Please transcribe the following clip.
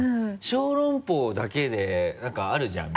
小籠包だけで何かあるじゃん